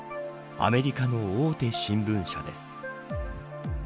アメリカの大手新聞社です。